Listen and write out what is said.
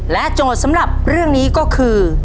โจทย์สำหรับเรื่องนี้ก็คือ